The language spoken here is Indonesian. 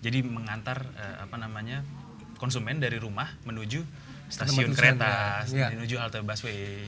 jadi mengantar konsumen dari rumah menuju stasiun kereta menuju halte busway